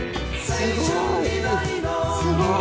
すごい！